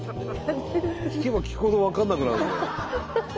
聞けば聞くほど分かんなくなるんだよ。